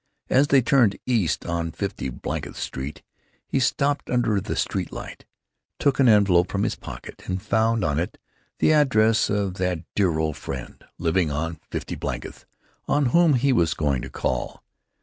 As they turned east on Fifty blankth Street he stopped under the street light, took an envelope from his pocket, and found on it the address of that dear old friend, living on Fifty blankth, on whom he was going to call.